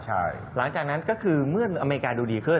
หลังจากนั้นก็คือเมื่ออเมริกาดูดีขึ้น